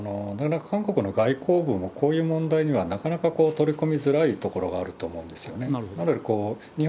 韓国の外交部もこういう問題にはなかなか取り組みづらいところがあるとおもうんですよね。